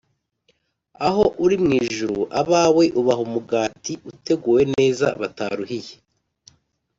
aho uri mu ijuru, abawe ubaha umugati uteguwe neza bataruhiye,